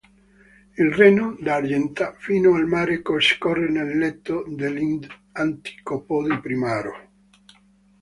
Il Reno, da Argenta fino al mare, scorre nel letto dell'antico Po di Primaro.